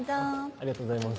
ありがとうございます。